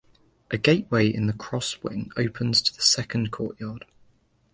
A gateway in the cross wing opens to the second courtyard.